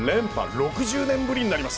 ６０年ぶりになります